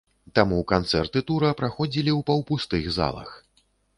Таму канцэрты тура праходзілі ў паўпустых залах.